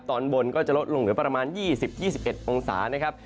ตอนบนก็จะลดลงเหลือประมาณ๒๐๒๑องศานะครับ